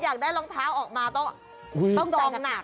อยากได้รองเท้าออกมาต้องจองหนัก